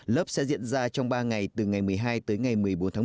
lớp sẽ diễn ra trong ba ngày từ ngày một mươi hai tới ngày một mươi bốn tháng một mươi